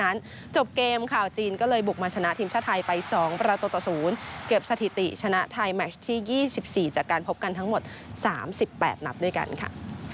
จบเกมค่ะจีนก็เลยบุกมาชนะทีมชาติไทยไป๒ประตูต่อ๐เก็บสถิติชนะไทยแมชที่๒๔จากการพบกันทั้งหมด๓๘นัดด้วยกันค่ะ